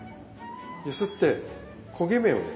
揺すって焦げ目をね